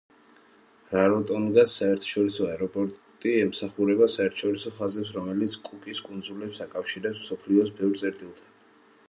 რაროტონგას საერთაშორისო აეროპორტი ემსახურება საერთაშორისო ხაზებს, რომელიც კუკის კუნძულებს აკავშირებს მსოფლიოს ბევრ წერტილთან.